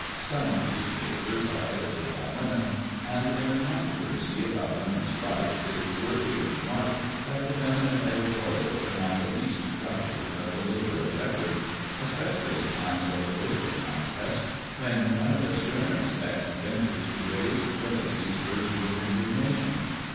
Some of these papers are edited by women, and in the controversy about women's rights it is worthy of remark that the feminine editorials are not the least truculent of the literary efforts : especially in times of political contest, when one of the sterner sex ventures to raise the lady's virtuous indignation.